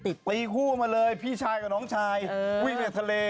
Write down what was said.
ตีคู่มาเลยพี่ชายกับน้องชายวิ่งจากทะเล